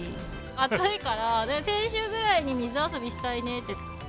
暑いから先週ぐらいに水遊びしたいねって。